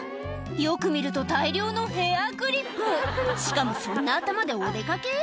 よく見ると大量のヘアクリップしかもそんな頭でお出掛け？